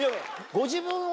ご自分を。